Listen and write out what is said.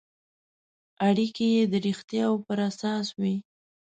اړیکې یې د رښتیاوو پر اساس وي.